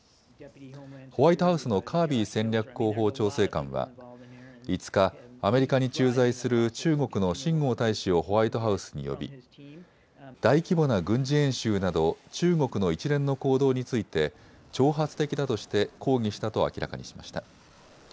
ホワイトハウスのカービー戦略広報調整官は５日、アメリカに駐在する中国の秦剛大使をホワイトハウスに呼び、大規模な軍事演習など中国の一連の行動について挑発的だとして抗議したと明らかにしました。